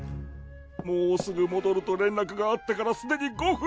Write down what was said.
もうすぐもどると連絡があってからすでに５分！